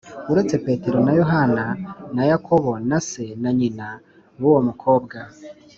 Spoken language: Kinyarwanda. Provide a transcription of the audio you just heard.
uretse Petero na Yohana na Yakobo na se na nyina b uwo mukobwa